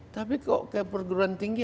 tapi kok keperguruan tinggi